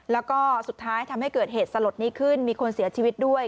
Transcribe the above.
แล้วก็สุดท้ายทำให้เกิดเหตุสลดนี้ขึ้นมีคนเสียชีวิตด้วย